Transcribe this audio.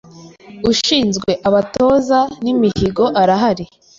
Ushinzwe abatoza n’imihigo arahari